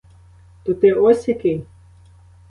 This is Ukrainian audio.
То ти ось який?